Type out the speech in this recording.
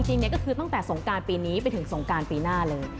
จริงก็คือตั้งแต่สงการปีนี้ไปถึงสงการปีหน้าเลย